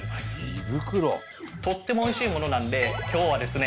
とってもおいしいものなんで今日はですね